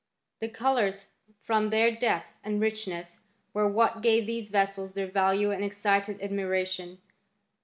The colours, from their depth and richness, werewhat gave these vessels theit value and excited admiration.